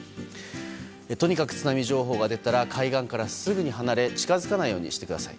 とにかく津波情報が出たら海岸からすぐに離れ近づかないようにしてください。